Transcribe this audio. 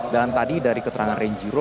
dan tadi dari keterangan renjiro